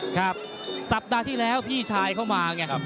ครับสัปดาห์ที่แล้วพี่ชายเขามาเนี่ยครับ